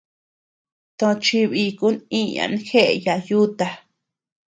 Tochi bikun iñan jeeya yuta.